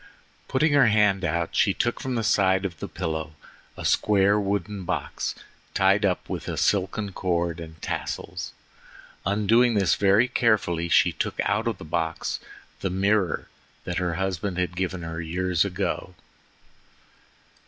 Putting her hand out, she took from the side of the pillow a square wooden box tied up with a silken cord and tassels. Undoing this very carefully, she took out of the box the mirror that her husband had given her years ago.